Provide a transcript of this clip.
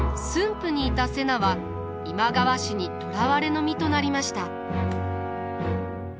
府にいた瀬名は今川氏に捕らわれの身となりました。